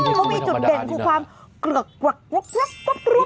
อืมก็มีจุดเด่นคือความกลือก